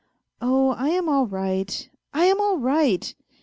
" Oh, I am all right, I am all right.